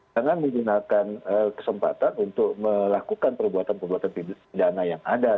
dengan menggunakan kesempatan untuk melakukan perbuatan perbuatan pidana yang ada